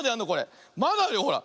まだあるよほら。